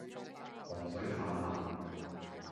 洪水泛濫